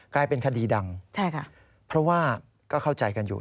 กลายเป็นคดีดังใช่ค่ะเพราะว่าก็เข้าใจกันอยู่